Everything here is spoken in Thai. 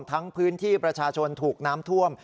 พื้นที่ประชาชนถูกน้ำท่วม